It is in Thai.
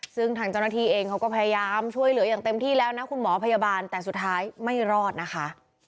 ซึ่งทางเจ้าหน้าที่เองเขาก็พยายามช่วยเหลืออย่างเต็มที่แล้วนะคุณหมอพยาบาลแต่สุดท้ายไม่รอดนะคะ